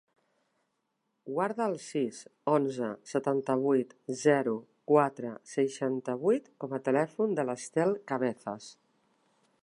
Guarda el sis, onze, setanta-vuit, zero, quatre, seixanta-vuit com a telèfon de l'Estel Cabezas.